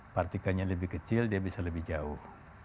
partikelnya lebih kecil dia bisa lebih jauh